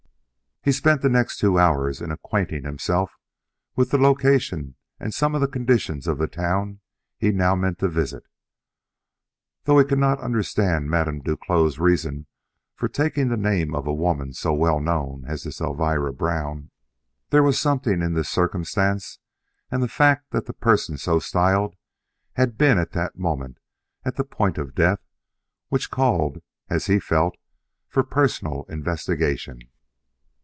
He spent the next two hours in acquainting himself with the location and some of the conditions of the town he now meant to visit. Though he could not understand Madame Duclos' reason for taking the name of a woman so well known as this Elvira Brown, there was something in this circumstance and the fact that the person so styled had been at that moment at the point of death, which called, as he felt, for personal investigation.